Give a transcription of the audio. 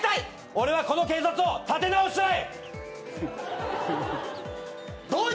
俺はこの警察をつぶしたい！